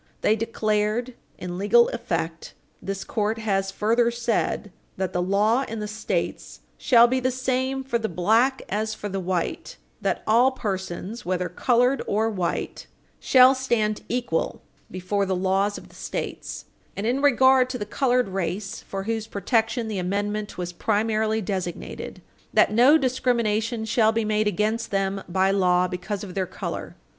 They declared, in legal effect, this court has further said, "that the law in the States shall be the same for the black as for the white; that all persons, whether colored or white, shall stand equal before the laws of the States, and, in regard to the colored race, for whose protection the amendment was primarily designed, that no discrimination shall be made against them by law because of their color."